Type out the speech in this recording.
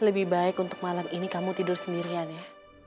lebih baik untuk malam ini kamu tidur sendirian ya